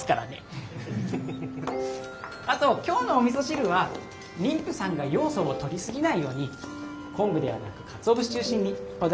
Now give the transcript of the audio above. あと今日のおみそ汁は妊婦さんがヨウ素をとりすぎないように昆布ではなくかつお節中心におだしをとってみましょう。